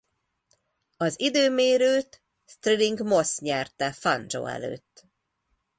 Az időmérőt Stirling Moss nyerte Fangio előtt.